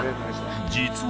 ［実は］